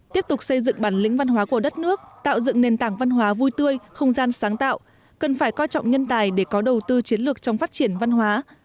tiếp tục xây dựng bản lĩnh văn hóa của đất nước tạo dựng nền tảng văn hóa vui tươi không gian sáng tạo cần phải coi trọng nhân tài để có đầu tư chiến lược trong phát triển văn hóa